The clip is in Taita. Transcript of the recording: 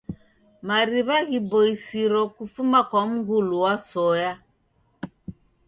Mariw'a ghiboisiro kufuma kwa mngulu wa soya.